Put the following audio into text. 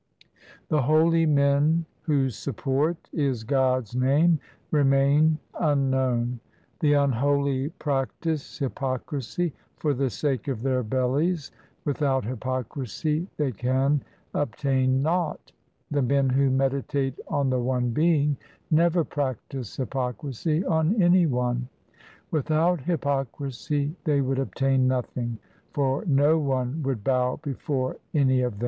The holy men whose support is God's name remain un known. The unholy practise hypocrisy for the sake of their bellies Without hypocrisy they can obtain naught. The men who meditate on the one Being Never practise hypocrisy on any one. Without hypocrisy they would obtain nothing, For no one would bow before any of them.